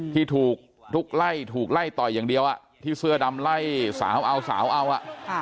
ที่ถูกลุกไล่ถูกไล่ต่อยอย่างเดียวที่เสื้อดำไล่สาวเอาสาวเอาอ่ะ